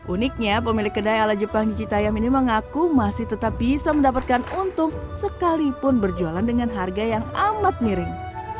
uniknya pemilik kedai ala jepang di citayam ini mengaku masih tetap bisa mendapatkan untung sekalipun berjualan dengan harga yang amat miring